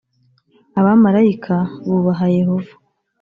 abamarayika bubaha Yehova